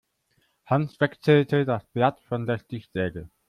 Hans wechselte das Blatt von der Stichsäge.